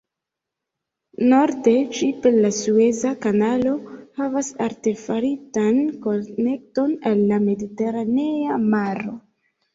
Norde ĝi per la Sueza kanalo havas artefaritan konekton al la Mediteranea Maro.